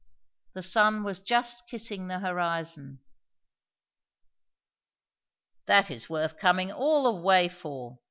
The sun was just kissing the horizon. "That is worth coming all the way for!"